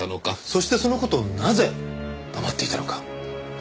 そしてその事をなぜ黙っていたのか。